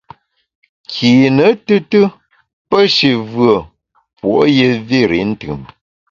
Kine tùtù pe shi vùe, puo’ yé vir i ntùm.